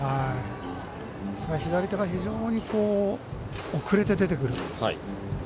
左手が非常に遅れて出てくる。